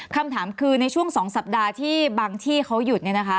คำถามคือในช่วงสองสัปดาห์ที่บางที่เขาหยุด